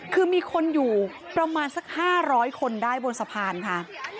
คือมีคนอยู่ประมาณสัก๕๐๐คนได้บนสะพานค่ะ